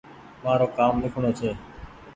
مآرو ڪآم ليکڻو ڇي